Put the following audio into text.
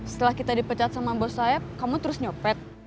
setelah kita dipecat sama bos sayap kamu terus nyopet